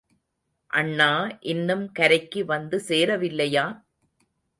அண்ணா, இன்னும் கரைக்கு வந்து சேரவில்லையா?